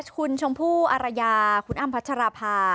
คุณชมพู่อารยาคุณอ้ำพัชราภา